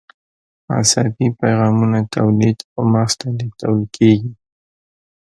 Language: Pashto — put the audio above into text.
عصبي پیغامونه تولید او مغز ته لیږدول کېږي.